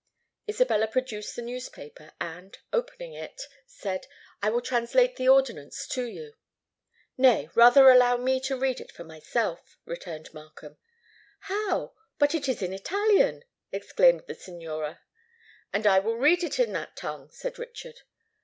Isabella produced the newspaper, and, opening it, said, "I will translate the ordinance to you." "Nay—rather allow me to read it for myself," returned Markham. "How? But it is in Italian," exclaimed the Signora. "And I will read it in that tongue," said Richard.